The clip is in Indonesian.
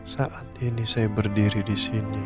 saat ini saya berdiri disini